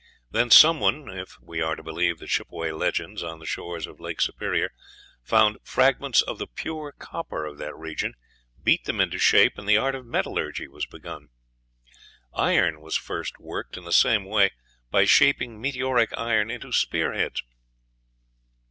Then some one (if we are to believe the Chippeway legends, on the shores of Lake Superior) found fragments of the pure copper of that region, beat them into shape, and the art of metallurgy was begun; iron was first worked in the same way by shaping meteoric iron into spear heads.